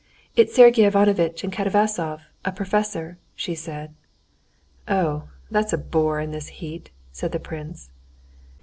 "It's Sergey Ivanovitch and Katavasov, a professor," she said. "Oh, that's a bore in this heat," said the prince.